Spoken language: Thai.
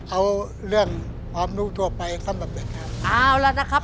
เอาเรื่องความรู้ทั่วไปสำหรับเด็กครับเอาละนะครับ